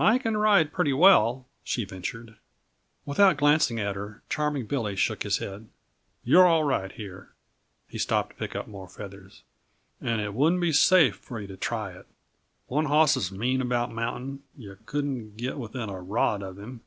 "I can ride pretty well," she ventured. Without glancing at her, Charming Billy shook his head. "You're all right here" he stopped to pick up more feathers "and it wouldn't be safe for yuh to try it. One hoss is mean about mounting; yuh couldn't get within a rod of him.